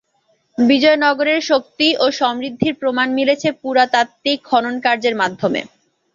বিজয়নগরের শক্তি ও সমৃদ্ধির প্রমাণ মিলেছে পুরাতাত্ত্বিক খননকার্যের মাধ্যমে।